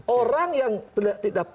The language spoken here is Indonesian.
orang yang tidak